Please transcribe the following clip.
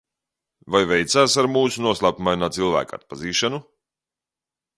Vai veicās ar mūsu noslēpumainā cilvēka atpazīšanu?